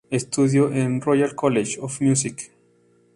Estudió en el Royal College of Music.